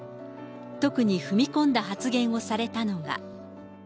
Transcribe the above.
特に踏み込んだ発言をされたのが。